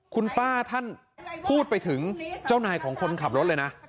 คุณป้าท่านพูดไปถึงเจ้านายของคนขับรถเลยนะ